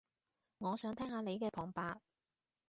我想聽下你嘅旁白